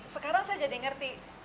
sekarang saya jadi mengerti